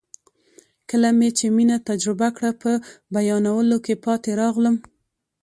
کله مې چې مینه تجربه کړه په بیانولو کې پاتې راغلم.